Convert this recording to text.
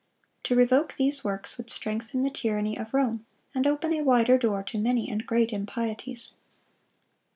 To revoke these works would strengthen the tyranny of Rome, and open a wider door to many and great impieties.